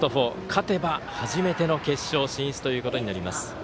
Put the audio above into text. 勝てば初めての決勝進出ということになります。